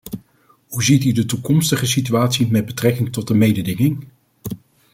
Hoe ziet u de toekomstige situatie met betrekking tot de mededinging?